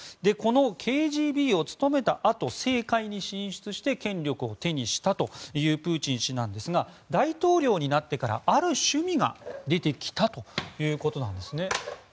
このＫＧＢに勤めたあと政界に進出して権力を手にしたというプーチン氏なんですが大統領になってからある趣味が出てきたということなんですね。